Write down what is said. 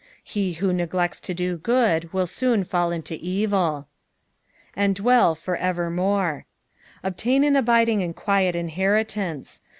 He who neglects to do good will BOOD fall into evil. '^ And dvieU for entrmon." Obtain an abiding and quiet iaheritance.